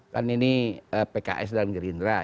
kan ini pks dan gerindra